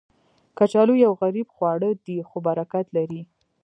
کچالو یو غریب خواړه دی، خو برکت لري